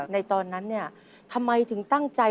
ตอนนั้นเนี่ยทำไมถึงตั้งใจ